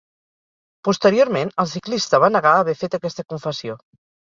Posteriorment el ciclista va negar haver fet aquesta confessió.